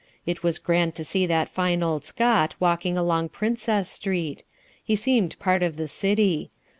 It was grand to see that fine old Scot walking along Princess Street. He seemed part of the city.